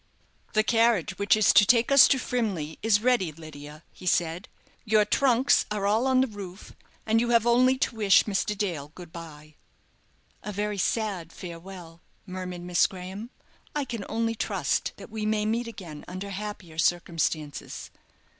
"The carriage which is to take us to Frimley is ready, Lydia," he said; "your trunks are all on the roof, and you have only to wish Mr. Dale good bye." "A very sad farewell," murmured Miss Graham. "I can only trust that we may meet again under happier circumstances."